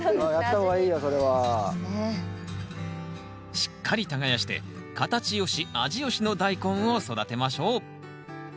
しっかり耕して形よし味よしのダイコンを育てましょう。